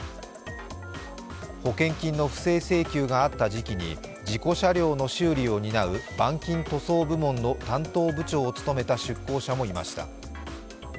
保険金の不正請求があった時期に事故車両の修理を担う、板金塗装部門の担当部長を務めた出向者もいました。